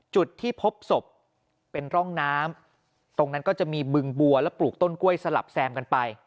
จุดที่พบศพเป็นร่องน้ำตรงนั้นก็จะมีบึงบัวและปลูกต้นกล้วยสลับแซมกันไป